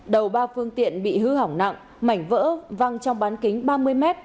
đầu ba phương tiện bị hư hỏng nặng mảnh vỡ văng trong bán kính ba mươi m